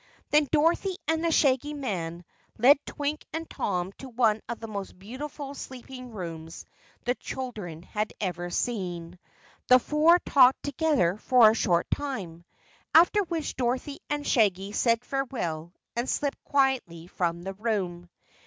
Then Dorothy and the Shaggy Man led Twink and Tom to one of the most beautiful sleeping rooms the children had ever seen. The four talked together for a short time, after which Dorothy and Shaggy said farewell and slipped quietly from the room.